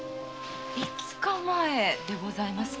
五日前でございますか？